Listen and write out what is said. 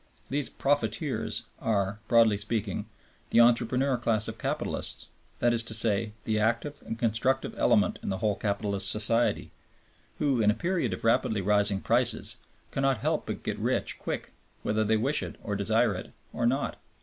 These "profiteers" are, broadly speaking, the entrepreneur class of capitalists, that is to say, the active and constructive element in the whole capitalist society, who in a period of rapidly rising prices cannot help but get rich quick whether they wish it or desire it or not.